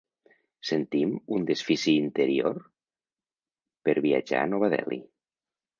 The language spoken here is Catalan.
Sentim un desfici interior per viatjar a Nova Delhi.